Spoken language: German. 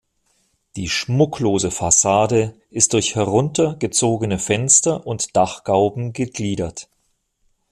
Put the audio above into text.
Die schmucklose Fassade ist durch herunter gezogene Fenster und Dachgauben gegliedert.